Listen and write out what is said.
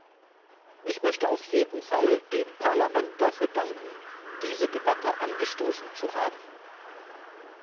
Ich möchte auf jeden Fall dem Parlament dafür danken, diese Debatte angestoßen zu haben.